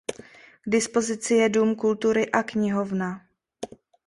K dispozici je dům kultury a knihovna.